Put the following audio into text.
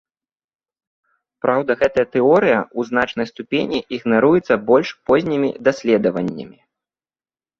Праўда гэтая тэорыя ў значнай ступені ігнаруецца больш познімі даследаваннямі.